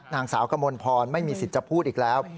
นางสาวกมลพรไม่มีสิทธิ์จะพูดอีกแล้ว